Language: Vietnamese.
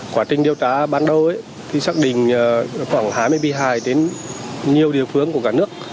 quá trình điều tra ban đầu thì xác định khoảng hai mươi bị hại đến nhiều địa phương của cả nước